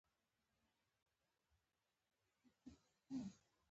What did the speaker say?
ایا ستاسو سرحدونه به خوندي شي؟